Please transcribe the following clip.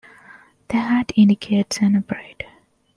The "hat" indicates an operator.